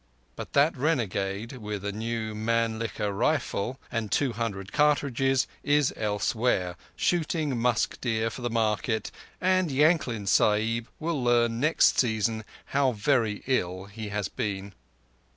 But that renegade, with a new Mannlicher rifle and two hundred cartridges, is elsewhere, shooting musk deer for the market, and Yankling Sahib will learn next season how very ill he has been.